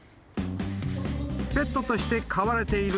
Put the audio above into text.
［ペットとして飼われている